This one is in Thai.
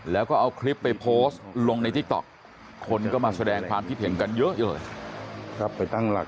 แล้วก็เอาคลิปไปโพสต์ลงในติ๊กต๊อกคนก็มาแสดงความคิดเห็นกันเยอะเลย